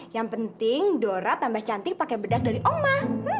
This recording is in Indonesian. yang penting dora tambah cantik pakai bedak dari oma